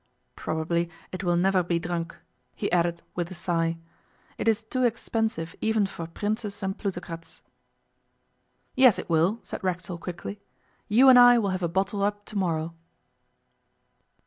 Probably it will never be drunk,' he added with a sigh. 'It is too expensive even for princes and plutocrats.' 'Yes, it will,' said Racksole quickly. 'You and I will have a bottle up to morrow.